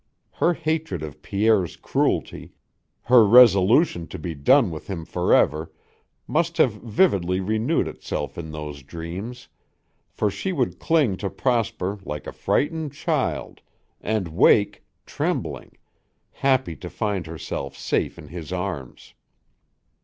Her hatred of Pierre's cruelty, her resolution to be done with him forever, must have vividly renewed itself in those dreams, for she would cling to Prosper like a frightened child, and wake, trembling, happy to find herself safe in his arms.